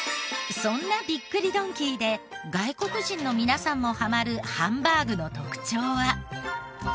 そんなびっくりドンキーで外国人の皆さんもハマるハンバーグの特徴は。